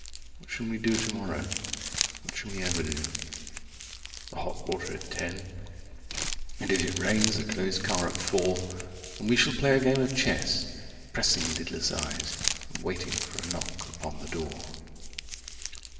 What shall we do tomorrow? "What shall we ever do?" The hot water at ten. And if it rains, a closed car at four. And we shall play a game of chess, Pressing lidless eyes and waiting for a knock upon the door.